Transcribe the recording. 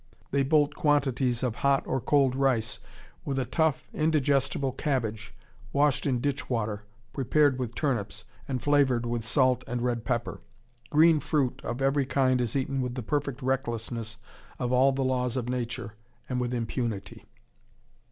They bolt quantities of hot or cold rice, with a tough, indigestible cabbage, washed in ditch water, prepared with turnips, and flavored with salt and red pepper. Green fruit of every kind is eaten with perfect recklessness of all the laws of nature, and with impunity....